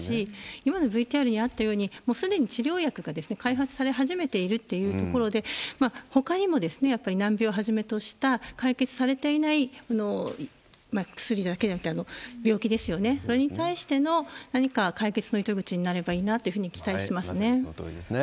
今のＶＴＲにあったように、もうすでに治療薬が開発され始めているというところで、ほかにもやっぱり難病をはじめとした解決されていない薬だけじゃなくて、病気ですよね、それに対しての何か解決の糸口になればいいなっていうふうに期待そのとおりですね。